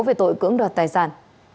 về tội cưỡng đoạt tài sản